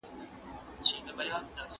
د تفريق واک يوازي له قاضي سره دی.